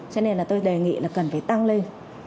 cho nên là tôi đề nghị là cần phải tăng lên